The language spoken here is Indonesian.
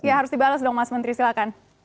iya harus dibalas dong mas menteri silakan